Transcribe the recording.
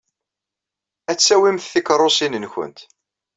Ad tawyemt tikeṛṛusin-nwent.